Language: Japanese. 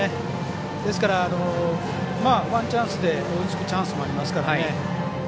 ですから、ワンチャンスで追いつくチャンスもありますから。